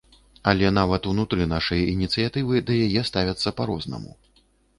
Але нават унутры нашай ініцыятывы да яе ставяцца па-рознаму.